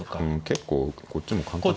結構こっちも簡単。